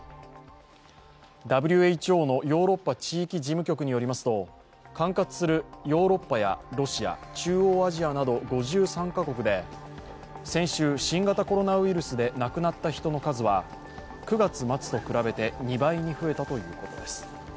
ＷＨＯのヨーロッパ地域事務局によりますと管轄するヨーロッパやロシア、中央アジアなど５３カ国で先週、新型コロナウイルスで亡くなった人の数は、９月末と比べて２倍に増えたということです。